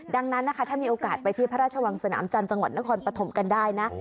ดังนั้นนะคะถ้ามีโอกาสไปที่พระราชวังสนามจันทร์จังหวัดนครปฐมกันได้นะ